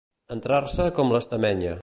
Entrar-se com l'estamenya.